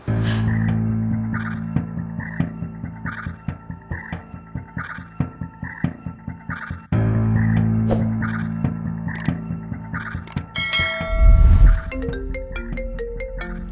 dia udah kemana